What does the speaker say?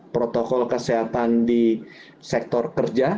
protokol kesehatan di sektor kerja